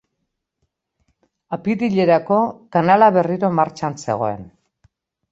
Apirilerako, kanala berriro martxan zegoen.